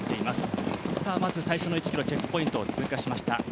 まず最初の１ｋｍ、チェックポイントを通過しました。